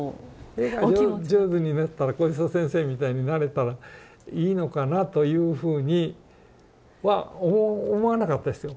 「絵が上手になったら小磯先生みたいになれたらいいのかな」というふうには思わなかったですよ。